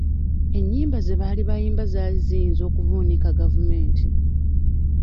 Ennyimba ze baali bayimba zaali ziyinza okuvuunika gavumenti.